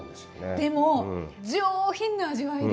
でも上品な味わいで。